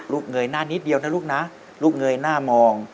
เงยหน้านิดเดียวนะลูกนะลูกเงยหน้ามอง